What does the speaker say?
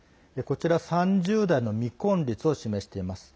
３０代の未婚率を示しています。